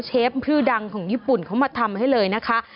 เชฟชื่อดังของญี่ปุ่นเขามาทำให้เลยนะคะ